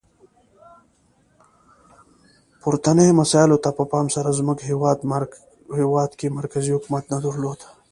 پورتنیو مسایلو ته په پام سره زموږ هیواد کې مرکزي حکومت نه درلود.